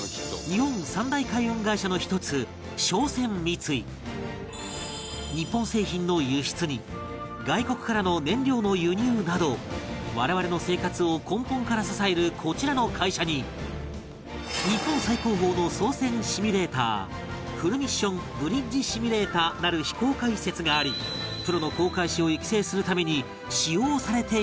日本３大海運会社の１つ日本製品の輸出に外国からの燃料の輸入など我々の生活を根本から支えるこちらの会社に日本最高峰の操船シミュレーターフルミッション・ブリッジシミュレータなる非公開施設がありプロの航海士を育成するために使用されているという